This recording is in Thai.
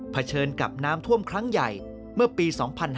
เฉินกับน้ำท่วมครั้งใหญ่เมื่อปี๒๕๕๙